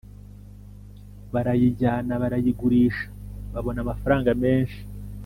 » barayijyana barayigurisha babona, amafaranga menshi